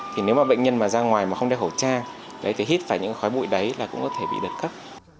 thì nếu mà bệnh nhân mà ra ngoài mà không đeo khẩu trang thì hít phải những khói bụi đấy là cũng có thể bị đợt cấp